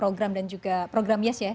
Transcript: program dan juga program yes ya